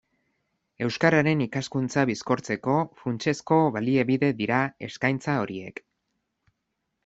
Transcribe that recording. Euskararen ikaskuntza bizkortzeko funtsezko baliabide dira eskaintza horiek.